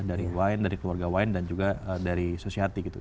dari keluarga wan dan juga dari susiati gitu